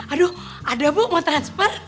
aduh ada bu mau transfer